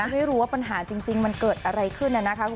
ไม่รู้ว่าปัญหาจริงมันเกิดอะไรขึ้นนะคะ